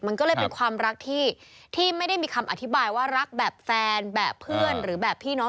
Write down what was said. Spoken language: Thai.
มันก็เลยเป็นความรักที่ไม่ได้มีคำอธิบายว่ารักแบบแฟนแบบเพื่อนหรือแบบพี่น้อง